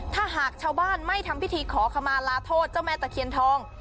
ถ้าหากชาวบ้านไม่ทำพิธีขอขมาลาโทษเจ้าแม่ตะเคียนทอง